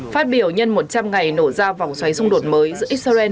phát biểu nhân một trăm linh ngày nổ ra vòng xoáy xung đột mới giữa israel